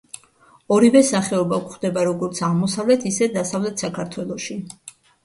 ორივე სახეობა გვხვდება როგორც აღმოსავლეთ, ისე დასავლეთ საქართველოში.